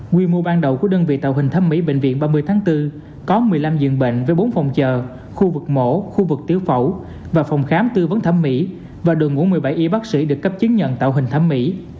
quy mô ban đầu của đơn vị tạo hình thẩm mỹ bệnh viện ba mươi tháng bốn có một mươi năm diện bệnh với bốn phòng chờ khu vực mổ khu vực tiểu phòng khám tư vấn thẩm mỹ và đội ngũ một mươi bảy y bác sĩ được cấp chứng nhận tạo hình thẩm mỹ